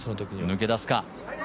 抜け出すか？